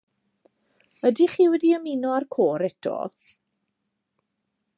Ydych chi wedi ymuno â'r côr eto.